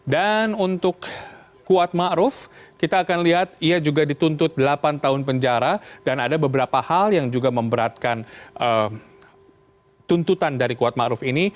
dan untuk kuat ma'ruf kita akan lihat ia juga dituntut delapan tahun penjara dan ada beberapa hal yang juga memberatkan tuntutan dari kuat ma'ruf ini